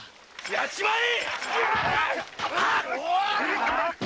やっちまえ‼